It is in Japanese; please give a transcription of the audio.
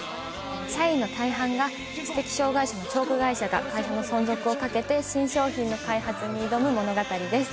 社員の大半が知的障がい者のチョーク会社が会社の存続をかけて新商品の開発に挑む物語です。